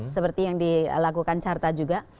seperti yang dilakukan carta juga